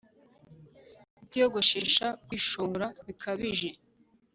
Kutiyogoshesha kwishongora bikabije